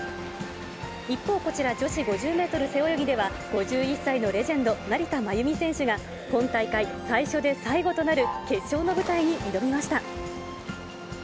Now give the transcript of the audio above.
一方、こちら女子５０メートル背泳ぎでは、５１歳のレジェンド、成田真由美選手が、今大会最初で最後となる決勝の舞台に挑みました。